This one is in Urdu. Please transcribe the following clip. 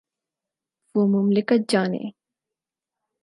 وہ مملکت جانے۔